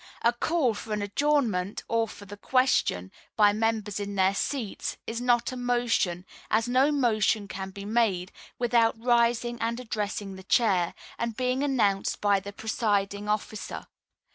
A call for an adjournment, or for the question, by members in their seats, is not a motion; as no motion can be made, without rising and addressing, the Chair, and being announced by the presiding officer.